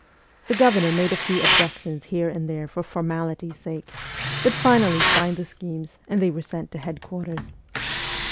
The Governor made a few objections here and there for formality's sake, but finally signed the schemes, and they were sent to headquarters.